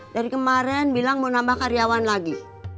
dari kemarin bilang mau nambah karyawan lagi